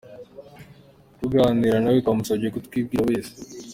Tuganira na we twamusabye kutwibwira wese.